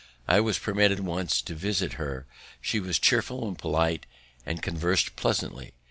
I was permitted once to visit her. She was cheerful and polite, and convers'd pleasantly.